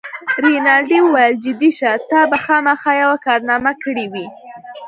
رینالډي وویل: جدي شه، تا به خامخا یوه کارنامه کړې وي.